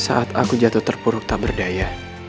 saat aku jatuh terpuruk tak berdaya